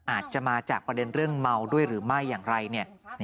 อาจจะมาจากประเด็นเรื่องเมาด้วยหรือไม่อย่างไร